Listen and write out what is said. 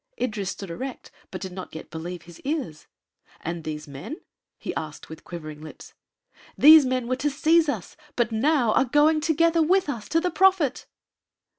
Idris stood erect but did not yet believe his ears. "And these men?" he asked with quivering lips. "These men were to seize us, but now are going together with us to the prophet."